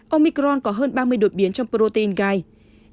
omicron có hơn ba mươi đột biến trong protein guide